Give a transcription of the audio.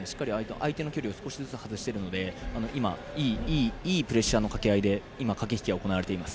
相手の距離を少しずつ外しているので今、いいプレッシャーの掛け合いで駆け引きが行われています。